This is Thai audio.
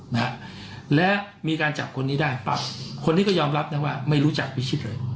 นะฮะและมีการจับคนนี้ได้ปั๊บคนนี้ก็ยอมรับนะว่าไม่รู้จักพิชิตเลย